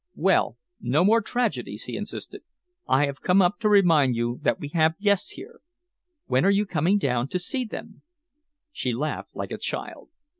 "Well no more tragedies," he insisted. "I have come up to remind you that we have guests here. When are you coming down to see them?" She laughed like a child.